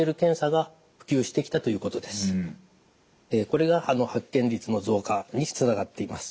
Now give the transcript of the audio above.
これが発見率の増加につながっています。